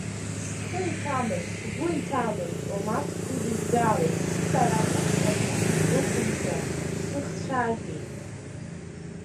Схы иҭамыз сгәы иҭамыз омак сыдыжәгалеит, сара урҭ пату сызрықәымшәа шәсыхцәажәеит…